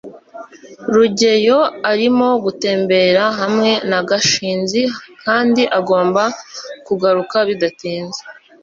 rugeyo arimo gutembera hamwe na gashinzi kandi agomba kugaruka bidatinze